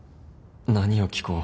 何を聞こう？